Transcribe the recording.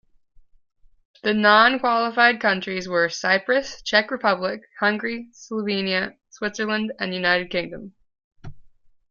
The non-qualified countries were Cyprus, Czech Republic, Hungary, Slovenia, Switzerland and United Kingdom.